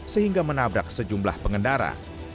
sehingga menabrak sejumlah pengendara